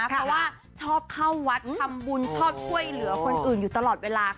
เพราะว่าชอบเข้าวัดทำบุญชอบช่วยเหลือคนอื่นอยู่ตลอดเวลา